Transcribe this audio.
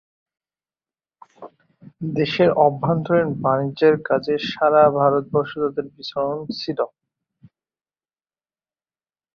দেশের অভ্যন্তরীণ বাণিজ্যের কাজে সারা ভারতবর্ষে তাদের বিচরণ ছিল।